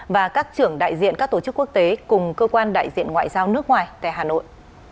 và các trưởng đại diện các tổ chức quốc tế cùng cơ quan đại diện ngoại giao nước ngoài tại hà nội